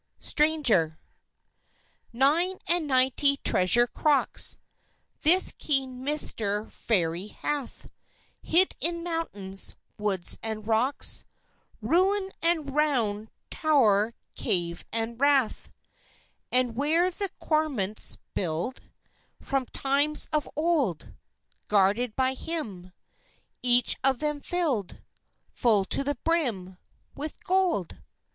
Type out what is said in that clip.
STRANGER Nine and ninety treasure crocks This keen Miser Fairy hath, Hid in mountains, woods, and rocks, Ruin and round tow'r, cave and rath, And where the cormorants build; From times of old Guarded by him; Each of them filled Full to the brim With gold!